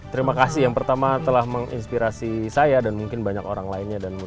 terima kasih yang pertama telah menginspirasi saya dan mungkin banyak orang lainnya